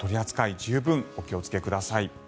十分にお気をつけください。